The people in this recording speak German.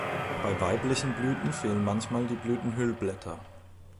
Bei weiblichen Blüten fehlen manchmal die Blütenhüllblätter.